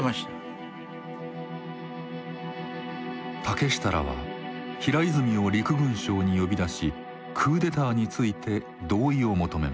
竹下らは平泉を陸軍省に呼び出しクーデターについて同意を求めます。